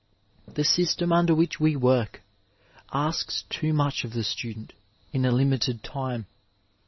The system under which we work asks too much of the student in a limited time.